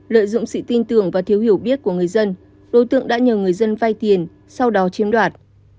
lợi dụng sự tin tưởng và thiếu hiểu biết của người dân đối tượng đã nhờ người dân vay tiền sau đó chiếm đoạt